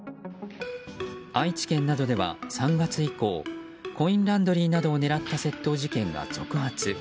愛知県などでは３月以降コインランドリーなどを狙った窃盗事件が続発。